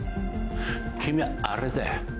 君はあれだよ。